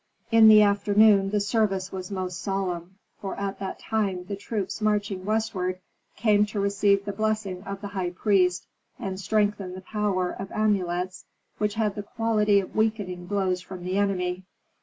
In the afternoon the service was most solemn, for at that time the troops marching westward came to receive the blessing of the high priest, and strengthen the power of amulets which had the quality of weakening blows from the enemy.